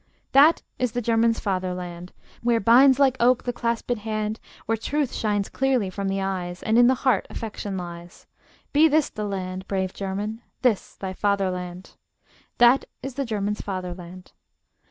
That is the German's fatherland! Where binds like oak the clasped hand, Where truth shines clearly from the eyes, And in the heart affection lies. Be this the land, Brave German, this thy fatherland! That is the German's fatherland!